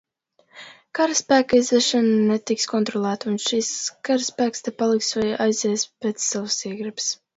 Karaspēka izvešana netiks kontrolēta un šis karaspēks te paliks vai aizies pēc savas iegribas.